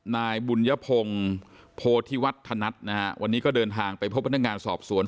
นายบุญยพงศ์โพธิวัฒนัทนะฮะวันนี้ก็เดินทางไปพบพนักงานสอบสวน